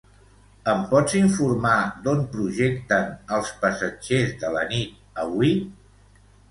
Em pots informar d'on projecten "Els passatgers de la nit" avui?